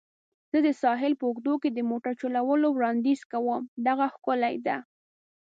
زه د ساحل په اوږدو کې د موټر چلولو وړاندیز کوم. دغه ښکلې ده.